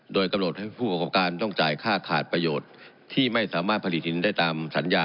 โดยกำหนดให้ผู้ประกอบการต้องจ่ายค่าขาดประโยชน์ที่ไม่สามารถผลิตหินได้ตามสัญญา